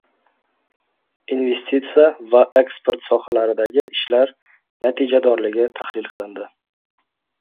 Investitsiya va eksport sohalaridagi ishlar natijadorligi tahlil qilindi